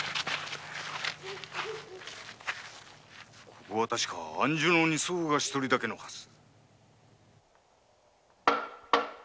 ここは確か庵主の尼僧が一人だけのはず。